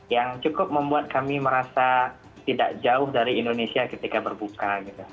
yang cukup membuat kami merasa tidak jauh dari indonesia ketika berbuka